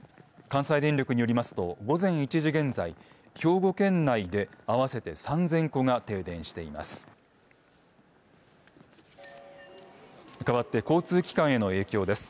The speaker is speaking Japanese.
関西電力によりますと午前１時現在兵庫県内で、合わせて３０００戸が停電しています。